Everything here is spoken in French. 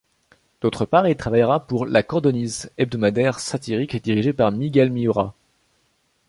D’autre part, il travaillera pour “La Cordoniz”, hebdomadaire satirique dirigé par Miguel Mihura.